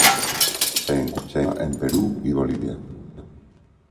Se encuentra en Perú y Bolivia.